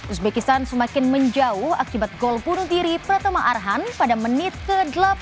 uzbekistan semakin menjauh akibat gol bunuh diri pertama arhan pada menit ke delapan puluh enam